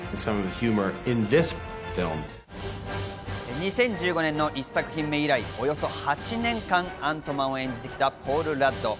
２０１５年の１作品目以来、およそ８年間、アントマンを演じてきたポール・ラッド。